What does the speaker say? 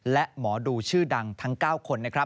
และหมอดูชื่อดังทั้ง๙คน